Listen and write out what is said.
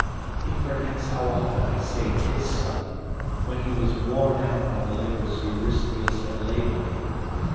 He forgets how often I saved his son when he was worn out by the labours Eurystheus had laid on him.